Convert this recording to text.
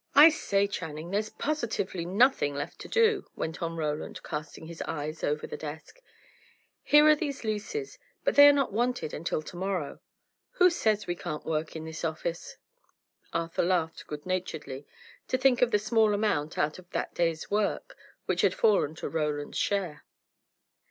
"I say, Channing, there's positively nothing left to do," went on Roland, casting his eyes over the desk. "Here are these leases, but they are not wanted until to morrow. Who says we can't work in this office?" Arthur laughed good naturedly, to think of the small amount, out of that day's work, which had fallen to Roland's share.